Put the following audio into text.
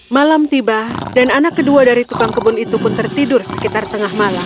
malam tiba dan anak kedua dari tukang kebun itu pun tertidur sekitar tengah malam